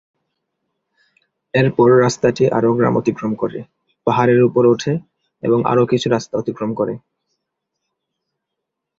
এরপর রাস্তাটি আরও গ্রাম অতিক্রম করে, পাহাড়ের উপরে ওঠে এবং আরো কিছু রাস্তা অতিক্রম করে।